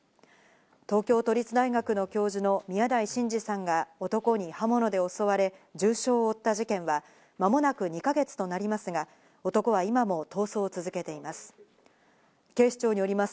東京都立大学の教授の宮台真司さんが男に刃物で襲われ重傷を負った事件は、間もなく２か月となりますが、男は今も逃走を続けています。